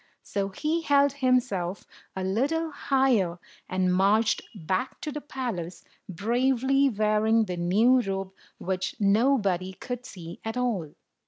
So he held himself a little higher, and marched back to the palace, bravely wearing the new robe which nobody could see at all.